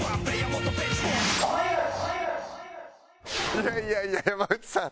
いやいやいや山内さん。